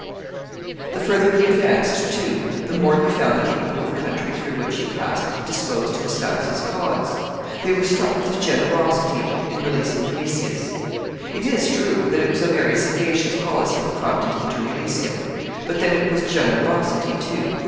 [Sidenote: His policy in releasing Domitius.] The further he advanced, too, the more he found the people of the country through which he passed disposed to espouse his cause. They were struck with his generosity in releasing Domitius. It is true that it was a very sagacious policy that prompted him to release him. But then it was generosity too.